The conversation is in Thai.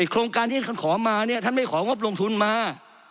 โครงการที่ท่านขอมาเนี่ยท่านไม่ของงบลงทุนมา